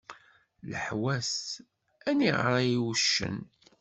Leḥwat: Aniγer ay uccen?